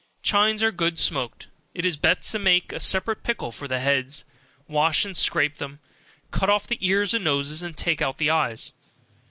Chines are good smoked. It is best to make a separate pickle for the heads; wash and scrape them, cut off the ears and noses, and take out the eyes.